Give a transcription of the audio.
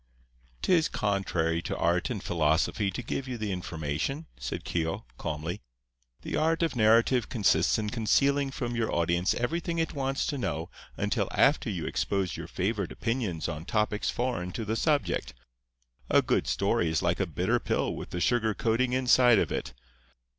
"'Tis contrary to art and philosophy to give you the information," said Keogh, calmly. "The art of narrative consists in concealing from your audience everything it wants to know until after you expose your favourite opinions on topics foreign to the subject. A good story is like a bitter pill with the sugar coating inside of it.